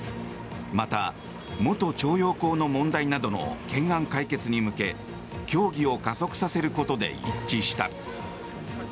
また、元徴用工の問題などの懸案解決に向け協議を加速させることで一致した。